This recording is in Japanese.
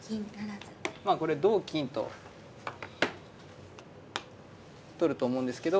まあこれ同金と取ると思うんですけど。